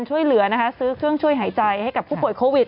ช่วยเหลือนะคะซื้อเครื่องช่วยหายใจให้กับผู้ป่วยโควิด